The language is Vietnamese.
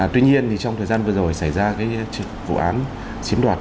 tuy nhiên trong thời gian vừa rồi xảy ra vụ án chiếm đoạt